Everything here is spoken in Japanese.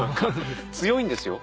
強いんですよ